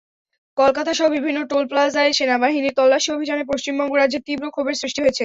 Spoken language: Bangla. কলকাতাসহ বিভিন্ন টোল প্লাজায় সেনাবাহিনীর তল্লাশি অভিযানে পশ্চিমবঙ্গ রাজ্যে তীব্র ক্ষোভের সৃষ্টি হয়েছে।